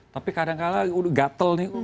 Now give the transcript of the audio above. tapi kadang kadang udah gatel nih